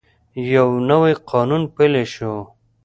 یو نوی قانون پلی شو.